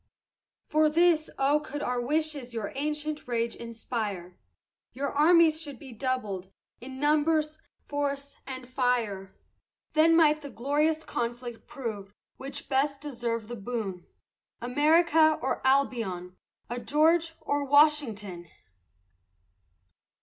For this, oh could our wishes your ancient rage inspire, Your armies should be doubled, in numbers, force, and fire. Then might the glorious conflict prove which best deserved the boon, America or Albion, a George or Washington!